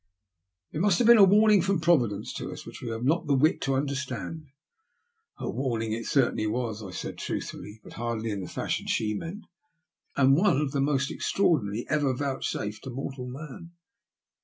''It may have been a warning from Providence to us which we have not the wit to understand." " A warning it certainly was," I said truthfully, but hardly in the fashion she meant. '' And one of the most extraordinary ever vouchsafed to mortal man."